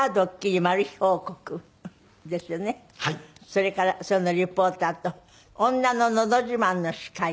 それからそのリポーターと『女ののど自慢』の司会とか。